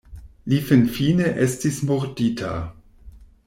Li finfine estis murdita.